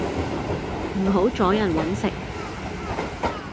唔好阻人搵食